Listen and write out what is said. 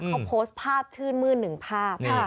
เขาโพสต์ภาพชื่นมืดหนึ่งภาพ